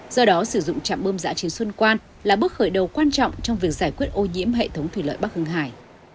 do đó sử dụng trạm bơm giã chiến xuân quan là bước khởi đầu quan trọng trong việc giải quyết ô nhiễm hệ thống thủy lợi bắc hưng hải